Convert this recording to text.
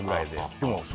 でも。